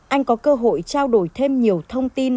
anh có cơ hội trao đổi thêm nhiều thông tin